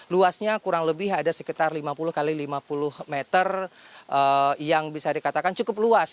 luasnya kurang lebih ada sekitar lima puluh x lima puluh meter yang bisa dikatakan cukup luas